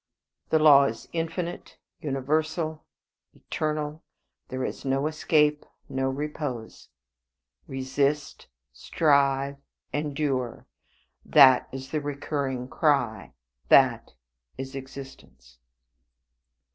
The law is infinite, universal, eternal; there is no escape, no repose. Resist, strive, endure, that is the recurring cry; that is existence."